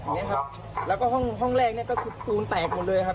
เนี่ยครับแล้วก็ห้องห้องแรกเนี่ยก็คือปูนแตกหมดเลยครับ